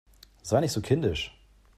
Sei nicht so kindisch!